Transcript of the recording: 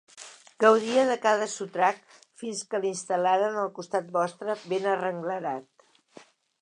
Gaudia de cada sotrac fins que l'instal·laren al costat vostre, ben arrenglerat.